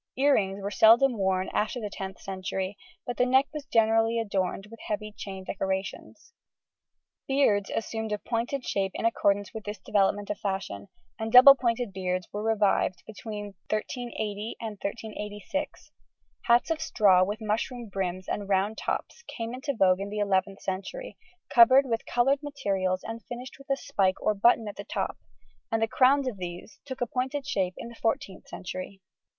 Ear rings were seldom worn after the 10th century; but the neck was generally adorned with heavy chain decorations. Beards assumed a pointed shape in accordance with this development of fashion, and double pointed beards were revived between 1380 and 1386. Hats of straw with mushroom brims and round tops came into vogue in the 11th century, covered with coloured materials and finished with a spike or button at the top, and the crowns of these took a pointed shape in the 14th century.